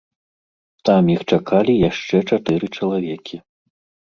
Там іх чакалі яшчэ чатыры чалавекі.